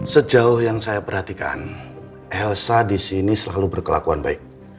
sejauh yang saya perhatikan elsa di sini selalu berkelakuan baik